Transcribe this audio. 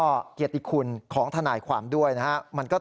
เพราะว่ามีทีมนี้ก็ตีความกันไปเยอะเลยนะครับ